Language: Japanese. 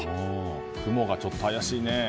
雲がちょっと怪しいね。